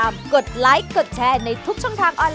แม่ว